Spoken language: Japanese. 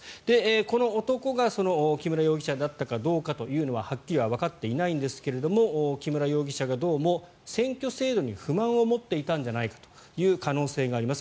この男がその木村容疑者だったかどうかというのははっきりわかっていませんが木村容疑者がどうも選挙制度に不満を持っていたんじゃないかという可能性があります。